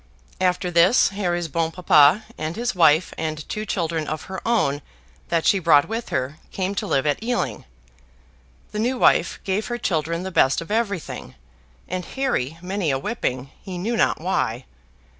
After this, Harry's Bon Papa and his wife and two children of her own that she brought with her, came to live at Ealing. The new wife gave her children the best of everything, and Harry many a whipping, he knew not why.